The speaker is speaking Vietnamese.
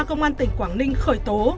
công an tỉnh quảng ninh khởi tố